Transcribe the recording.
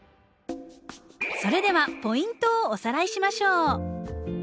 それではポイントをおさらいしましょう。